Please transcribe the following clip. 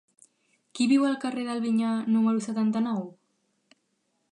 Qui viu al carrer del Vinyar número setanta-nou?